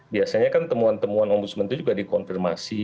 biasanya kan temuan temuan om busman itu juga dikonfirmasi